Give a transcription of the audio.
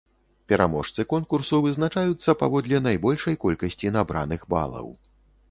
Пераможцы конкурсу вызначаюцца паводле найбольшай колькасці набраных балаў.